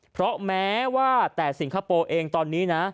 เพราะแม้ว่าแต่สิงคโปร์เองตอนนี้นะ